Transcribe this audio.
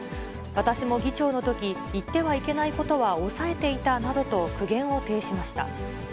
私も議長のとき、言ってはいけないことは抑えていたなどと苦言を呈しました。